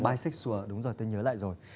bisexual đúng rồi tôi nhớ lại rồi